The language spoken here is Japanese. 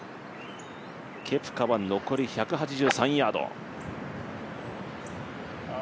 ケプカは残り１８３ヤード。